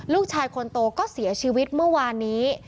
ลูกชายคนโตก็เสียชีวิตเมื่อวานนี้